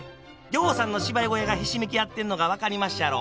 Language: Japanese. ぎょうさんの芝居小屋がひしめき合ってんのが分かりまっしゃろ？